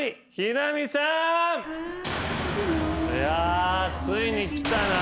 いやついにきたな。